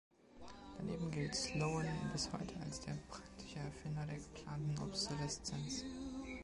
Daneben gilt Sloan bis heute als der praktische Erfinder der geplanten Obsoleszenz.